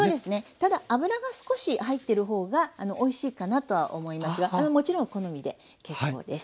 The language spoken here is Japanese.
ただ脂が少し入ってる方がおいしいかなとは思いますがもちろん好みで結構です。